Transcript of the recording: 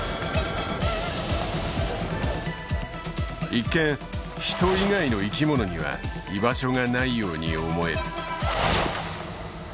一見人以外の生き物には居場所がないように思える。